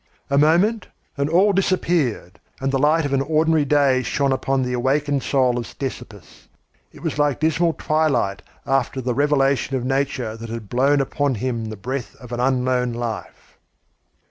A moment, and all disappeared, and the light of an ordinary day shone upon the awakened soul of Ctesippus. It was like dismal twilight after the revelation of nature that had blown upon him the breath of an unknown life.